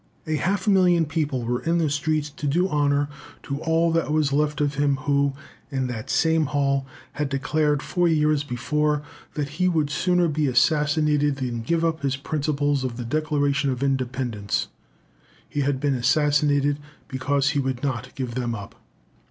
"A half million of people were in the streets to do honour to all that was left of him who, in that same hall, had declared, four years before, that he would sooner be assassinated than give up the principles of the Declaration of Independence. He had been assassinated because he would not give them up."